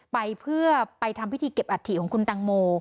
ไปเพื่อไปทำพิธีเก็บอัฐิของคุณตังโม